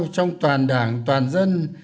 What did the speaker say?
trong toàn đảng toàn dân